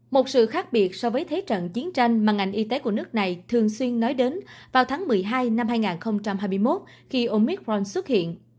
một sự khác biệt so với thế trận chiến tranh mà ngành y tế của nước này thường xuyên nói đến vào tháng một mươi hai năm hai nghìn hai mươi một khi omicron xuất hiện